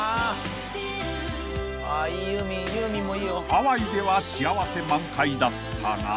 ［ハワイでは幸せ満開だったが］